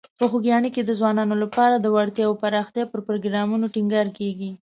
په خوږیاڼي کې د ځوانانو لپاره د وړتیاوو پراختیا پر پروګرامونو ټینګار کیږي.